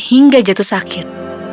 hingga jatuh sakit